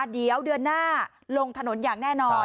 เดี๋ยวเดือนหน้าลงถนนอย่างแน่นอน